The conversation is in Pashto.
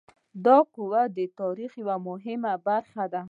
• دا قوم د تاریخ یوه مهمه برخه ده.